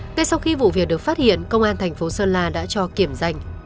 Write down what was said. ngay sau khi vụ việc được phát hiện công an thành phố sơn la đã cho kiểm danh